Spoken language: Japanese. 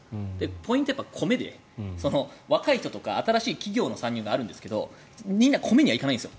ポイントは米で若い人とか新しい企業の参入があるんですがみんな米にはいかないんです。